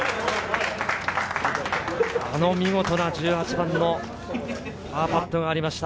あの見事な１８番のパーパットがありました。